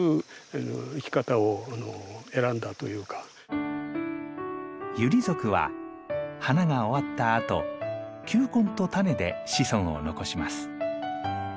一つにはユリ属は花が終わったあと球根とタネで子孫を残します。